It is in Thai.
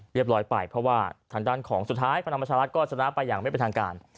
เรียบร้อยไปเพราะว่าทางด้านของสุดท้ายภาคมัชราชก็สนะไปอย่างไม่เป็นทางการ